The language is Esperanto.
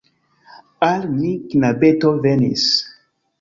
Al ni knabeto venis!